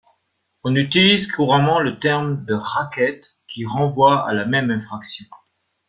On utilise couramment le terme de racket qui renvoie à la même infraction.